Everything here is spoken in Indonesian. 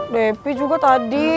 depi juga tadi